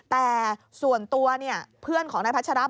แต่ส่วนตัวเนี่ยเพื่อนของนายพัชรา